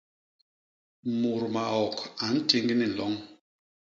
Mut maok a ntiñg ni nloñ.